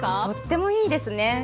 とってもいいですね！